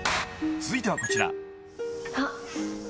［続いてはこちら］あっ。